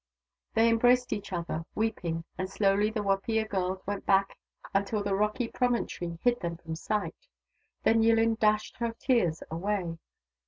They embraced each other, weeping, and slowly the Wapiya girls went back until the rocky promon tory hid them from sight. Then Yillin dashed her tears away.